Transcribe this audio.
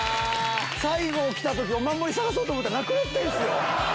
最後来た時お守り探そうと思ったらなくなってんすよ。